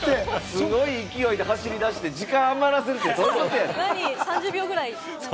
すごい勢いで走り出して、時間余らすってどういうことやねん。